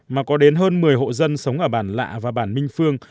mà có đến hơn một mươi hộ dân sống ở bản lạ và bản minh phương